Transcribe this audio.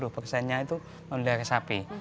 sembilan puluh persennya itu memelihara sapi